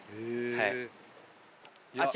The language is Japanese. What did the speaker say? はい。